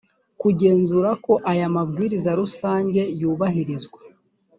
kugenzura ko aya mabwiriza rusange yubahirizwa